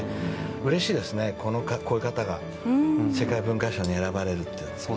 うれしいですね、こういう方が世界文化賞に選ばれるのは。